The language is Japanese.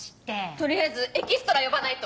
取りあえずエキストラ呼ばないと。